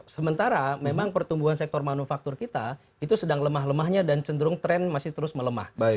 sementara memang pertumbuhan sektor manufaktur kita itu sedang lemah lemahnya dan cenderung tren masih terus melemah